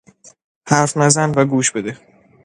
حرف نزن و گوش بده!